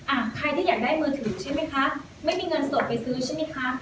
อ่ะใครที่อยากได้มือถือใช่ไหมคะไม่มีเงินสดไปซื้อใช่ไหมคะ